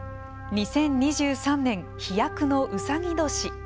２０２３年飛躍のうさぎ年。